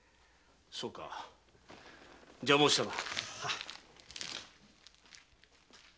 そうか邪魔をしたな。